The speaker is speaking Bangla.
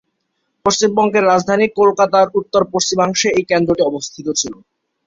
পশ্চিমবঙ্গের রাজধানী কলকাতার উত্তর-পশ্চিমাংশে এই কেন্দ্রটি অবস্থিত ছিল।